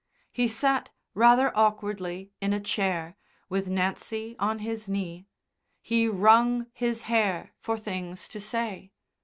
He sat rather awkwardly in a chair, with Nancy on his knee; he wrung his hair for things to say.